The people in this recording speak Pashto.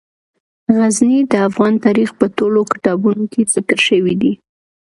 غزني د افغان تاریخ په ټولو کتابونو کې ذکر شوی دی.